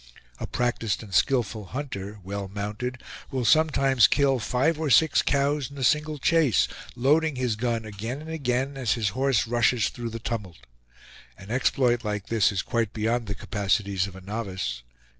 A practiced and skillful hunter, well mounted, will sometimes kill five or six cows in a single chase, loading his gun again and again as his horse rushes through the tumult. An exploit like this is quite beyond the capacities of a novice.